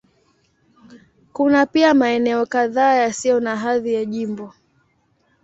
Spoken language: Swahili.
Kuna pia maeneo kadhaa yasiyo na hadhi ya jimbo.